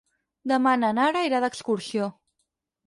Demà na Nara irà d'excursió.